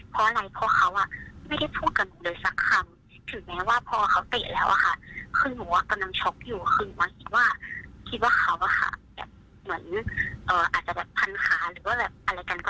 เพราะว่าตอนนี้กำลังมันเกิดขึ้นเร็วมากค่ะ